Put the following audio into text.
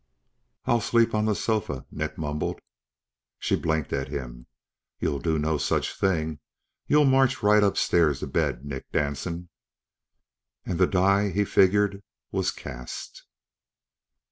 "I'll sleep on the sofa," Nick mumbled. She blinked at him. "You'll do no such thing. You'll march right upstairs to bed, Nick Danson." And the die, he figured, was cast...